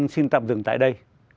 xin tạm dừng tại đây